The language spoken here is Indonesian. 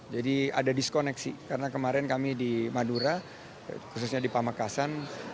jadi ada diskoneksi karena kemarin kami di madura khususnya di pamakasan